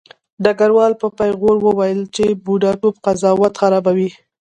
ډګروال په پیغور وویل چې بوډاتوب قضاوت خرابوي